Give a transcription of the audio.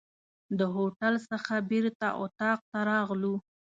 د هوټل څخه بیرته اطاق ته راغلو.